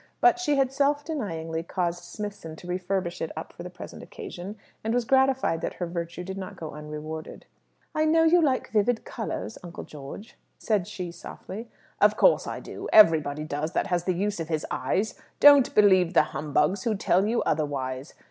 But she had self denyingly caused Smithson to furbish it up for the present occasion, and was gratified that her virtue did not go unrewarded. "I knew you liked vivid colours, Uncle George," said she softly. "Of course I do. Everybody does, that has the use of his eyes. Don't believe the humbugs who tell you otherwise.